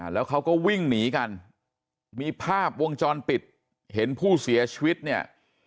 แล้วเขาก็วิ่งหนีกันมีภาพวงจรปิดเห็นผู้เสียชีวิตเนี่ย